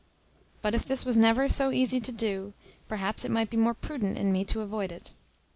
But if this was never so easy to do, perhaps it might be more prudent in me to avoid it.